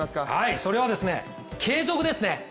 それは継続ですね。